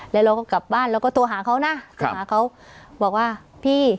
แล้วเราก็กลับบ้านเราก็โทรหาเขานะโทรหาเขาบอกว่าพี่